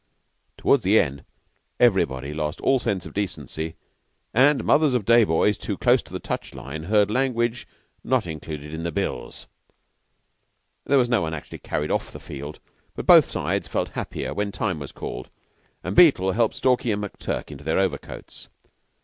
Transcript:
Toward the end everybody lost all sense of decency, and mothers of day boys too close to the touch line heard language not included in the bills. No one was actually carried off the field, but both sides felt happier when time was called, and Beetle helped Stalky and McTurk into their overcoats.